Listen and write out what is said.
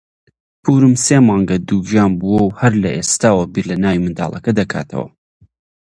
پوورم سێ مانگە دووگیان بووە و هەر لە ئێستاوە بیر لە ناوی منداڵەکە دەکاتەوە.